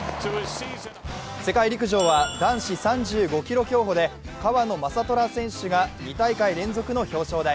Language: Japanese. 世界陸上は男子３５ｋｍ競歩で川野将虎選手が２大会連続の表彰台。